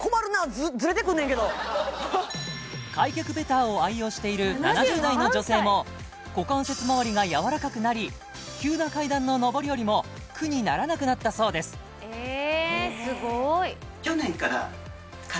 開脚ベターを愛用している７０代の女性も股関節周りが柔らかくなり急な階段の上り下りも苦にならなくなったそうですえー